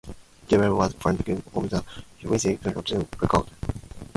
Jewell was located on the Missouri Pacific Railroad.